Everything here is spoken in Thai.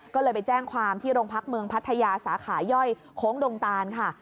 ก็เลยไปแจ้งความที่โรงพักเมืองพัทยาสาขาย่อยโค้งดงตานค่ะ